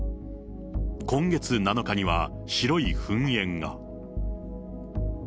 今月７日には白い噴煙が。